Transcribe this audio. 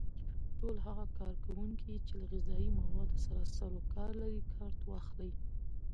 ټول هغه کارکوونکي چې له غذایي موادو سره سرو کار لري کارت واخلي.